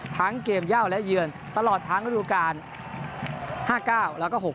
ทั้งเกมย่าวและเยือนตลอดทางรูปการ๕๙และ๖๐